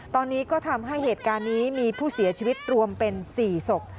ตอนนี้ก็ทำให้เหตุการณ์นี้มีผู้เสียชีวิตรวมเป็น๔ศพ